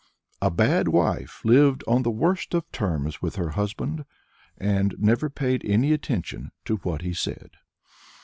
A bad wife lived on the worst of terms with her husband, and never paid any attention to what he said.